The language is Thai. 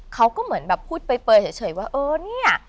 เขาก็เหมือนแบบพูดเปลยเฉยว่าเออเนี่ย